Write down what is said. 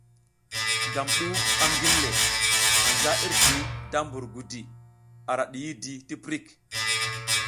Gam du a ngille, anja irdi da mbur gudi ara diyidi ti pirik.